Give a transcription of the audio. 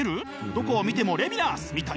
どこを見てもレヴィナスみたいな！？